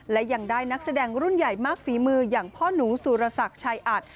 และยังได้นักแสดงรุ่นใหญ่มากฝีมืออย่างพ่อหนูสุรศักดิ์ชายอัด